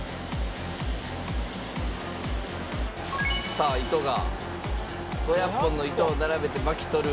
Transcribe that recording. さあ糸が５００本の糸を並べて巻き取る。